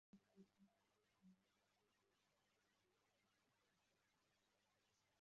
Umugabo ukuze avugana numukobwa ukiri muto wambaye izina